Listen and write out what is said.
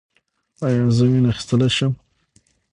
ایا زه وینه اخیستلی شم؟